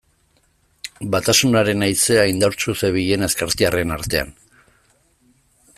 Batasunaren haizea indartsu zebilen ezkertiarren artean.